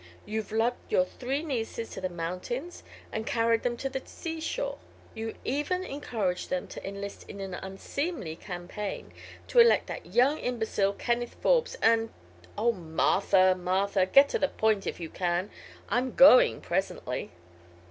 you've lugged your three nieces to the mountains and carried them to the seashore. You even encouraged them to enlist in an unseemly campaign to elect that young imbecile, Kenneth Forbes, and " "Oh, Martha, Martha! Get to the point, if you can. I'm going, presently."